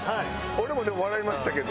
俺もでも笑いましたけど。